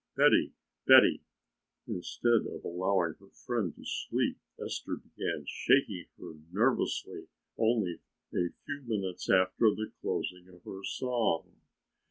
"Betty, Betty!" Instead of allowing her friend to sleep Esther began shaking her nervously only a few moments after the closing of her song.